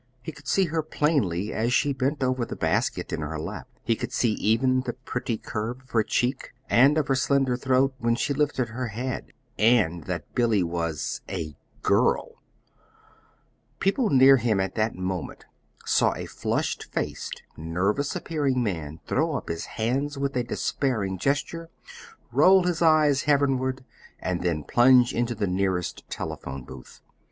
He could see her plainly, as she bent over the basket in her lap. He could see even the pretty curve of her cheek, and of her slender throat when she lifted her head. And that was Billy a GIRL! People near him at that moment saw a flushed faced, nervous appearing man throw up his hands with a despairing gesture, roll his eyes heavenward, and then plunge into the nearest telephone booth.